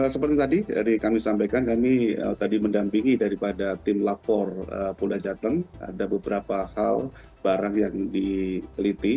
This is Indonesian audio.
seperti tadi dari kami sampaikan kami tadi mendampingi daripada tim lapor polda jateng ada beberapa hal barang yang diteliti